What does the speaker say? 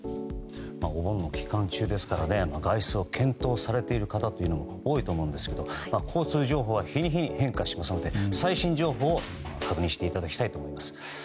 お盆の期間中ですから外出を検討されている方も多いと思うんですが交通情報は日に日に変化しますので最新情報を確認していただきたいと思います。